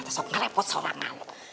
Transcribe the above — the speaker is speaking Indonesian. nggak repot seorang malu